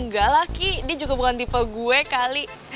enggak lah ki dia juga bukan tipe gue kali